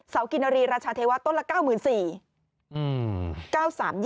กินรีราชาเทวะต้นละ๙๔๐๐บาท